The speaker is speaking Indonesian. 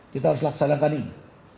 kita harus laksanakan ini